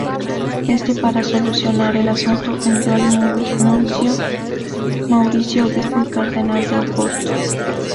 Este, para solucionar el asunto, envió al nuncio Mauricio, obispo y cardenal de Oporto.